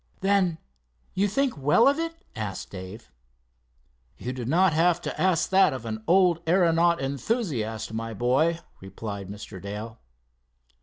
"Then you think well of it?" asked Dave. "You do not have to ask that of an old aeronaut enthusiast, my boy," replied Mr. Dale.